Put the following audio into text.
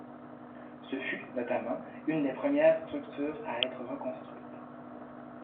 Ce fut notamment une des premières structures à être reconstruite.